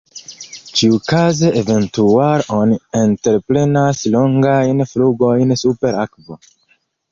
Ĉiukaze eventuale oni entreprenas longajn flugojn super akvo.